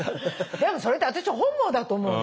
でもそれって私本望だと思う。